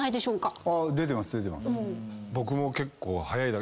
僕も結構。